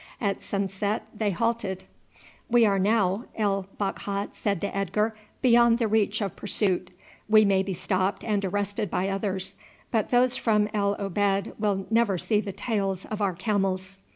At sunset they halted. "We are now," El Bakhat said to Edgar, "beyond the reach of pursuit. We may be stopped and arrested by others, but those from El Obeid will never see the tails of our camels."